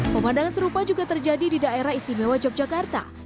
pemandangan serupa juga terjadi di daerah istimewa yogyakarta